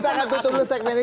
kita akan tutup segmen ini